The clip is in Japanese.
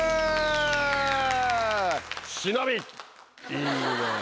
いいね。